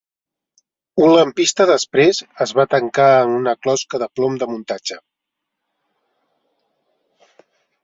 Un lampista després es va tancar en una closca de plom de muntatge.